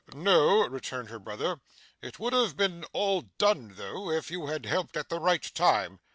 'No,' returned her brother. 'It would have been all done though, if you had helped at the right time.